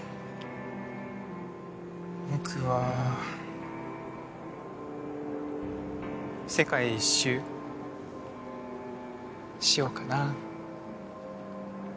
僕は世界一周しようかな。